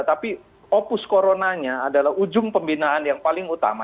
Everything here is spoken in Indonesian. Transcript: tapi opus coronanya adalah ujung pembinaan yang paling utama